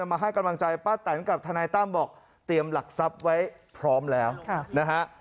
มาให้กำลังใจป้าแตนกับทนายตั้มบอกเตรียมหลักทรัพย์ไว้พร้อมแล้วนะฮะ